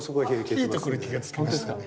いいところ気がつきましたね。